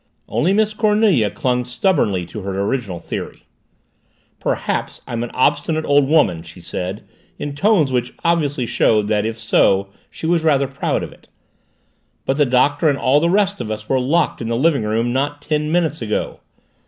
Only Miss Cornelia clung stubbornly to her original theory. "Perhaps I'm an obstinate old woman," she said in tones which obviously showed that if so she was rather proud of it, "but the Doctor and all the rest of us were locked in the living room not ten minutes ago!"